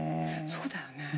そうだよね。